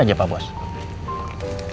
yaudah pak bos ya terus yuk